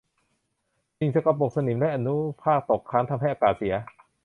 สิ่งสกปรกสนิมและอนุภาคตกค้างทำให้อากาศเสีย